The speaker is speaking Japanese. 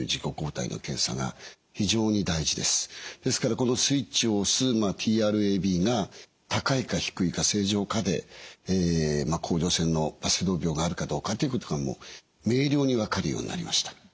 このスイッチを押すＴＲＡｂが高いか低いか正常かで甲状腺のバセドウ病があるかどうかということが明瞭に分かるようになりました。